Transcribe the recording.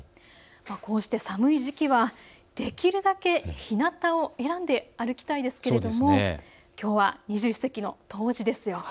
こうして寒い時期はできるだけひなたを選んで歩きたいですけれどもきょうは二十四節気の冬至です。